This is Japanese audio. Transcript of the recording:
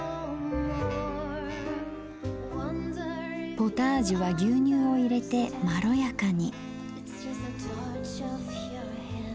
ポタージュは牛乳を入れてまろやかに。